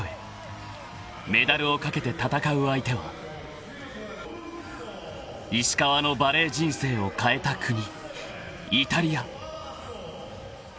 ［メダルを懸けて戦う相手は石川のバレー人生を変えた国イタリア］